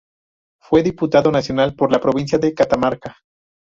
Fue Diputado Nacional por la provincia de Catamarca.